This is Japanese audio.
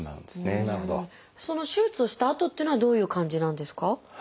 その手術をしたあとっていうのはどういう感じなんですか？